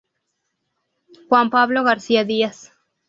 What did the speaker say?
Juan Pablo García Díaz.